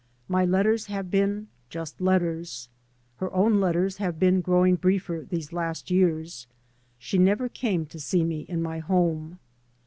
My letters have been — just letters. Her own letters have been growing briefer these last years. She never came to see me in my home.